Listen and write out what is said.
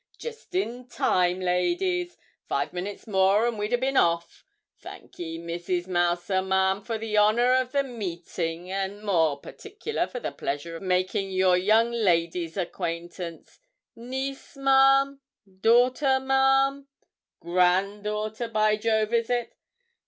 'Jist in time, ladies; five minutes more and we'd a bin off. Thankee, Mrs. Mouser, ma'am, for the honour of the meetin', and more particular for the pleasure of making your young lady's acquaintance niece, ma'am? daughter, ma'am? granddaughter, by Jove, is it?